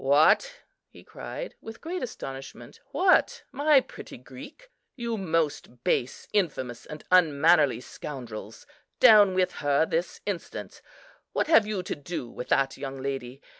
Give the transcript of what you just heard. "What!" he cried, with great astonishment, "what, my pretty Greek! You most base, infamous, and unmannerly scoundrels, down with her this instant! What have you to do with that young lady?